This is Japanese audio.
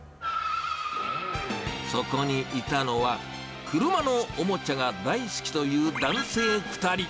そこにいたのは、車のおもちゃが大好きという男性２人。